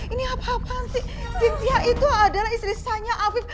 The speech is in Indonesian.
ini apa apaan sih sintia itu adalah istri saya afib